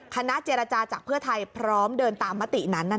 คณะเจรจาจากเพื่อไทยพร้อมเดินตามมตินั้น